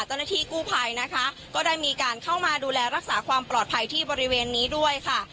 เจ้าหน้าที่กู้ภัยนะคะก็ได้มีการเข้ามาดูแลรักษาความปลอดภัยที่บริเวณนี้ด้วยค่ะ